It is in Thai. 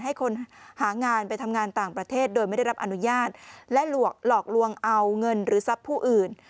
ให้คนหางานไปทำงานต่างประเทศโดยไม่ได้รับอนุญาตและหลอกลวงเอาเงินหรือทรัพย์ผู้อื่น